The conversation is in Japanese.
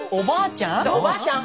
おばあちゃん